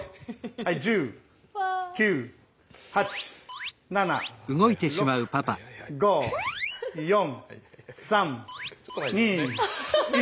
はい１０９８７６５４３２１。